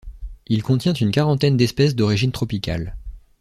Il contient une quarantaine d'espèces d'origine tropicale.